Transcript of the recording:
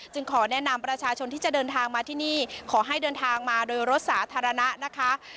ขอแนะนำประชาชนที่จะเดินทางมาที่นี่ขอให้เดินทางมาโดยรถสาธารณะนะคะ